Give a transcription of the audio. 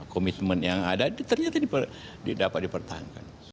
komitmen yang ada ternyata dapat dipertahankan